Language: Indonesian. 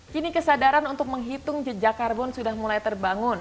kini kesadaran untuk menghitung jejak karbon sudah mulai terbangun